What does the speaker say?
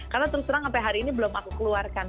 karena terus terang sampai hari ini belum aku keluarkan